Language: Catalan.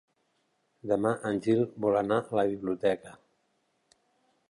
Demà en Gil vol anar a la biblioteca.